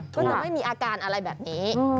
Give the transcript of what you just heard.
ก็จะไม่มีอาการอะไรแบบนี้